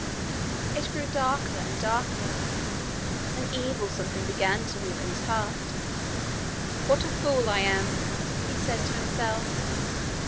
It grew darker and darker. An evil something began to move in his heart. 'What a fool I am!' he said to himself.